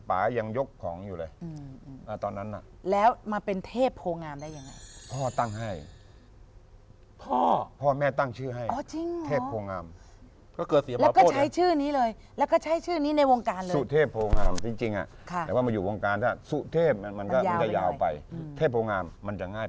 ปายังยกของอยู่เลยอืมอืมอืมอ่าตอนนั้นน่ะแล้วมาเป็นเทพโพงามได้ยังไง